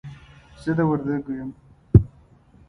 زه د وردګو يم.